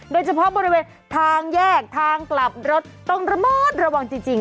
โดยเฉพาะบริเวณทางแยกทางกลับรถต้องระมัดระวังจริง